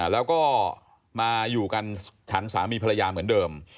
แล้วก็มาอยู่กันฉันสามีภรรยาเหมือนเดิม